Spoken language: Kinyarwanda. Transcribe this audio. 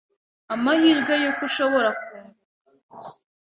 amahirwe y’uko ushobora kunguka.”